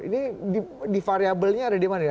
ini di variabelnya ada di mana ya